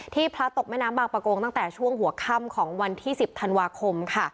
พระตกแม่น้ำบางประกงตั้งแต่ช่วงหัวค่ำของวันที่๑๐ธันวาคมค่ะ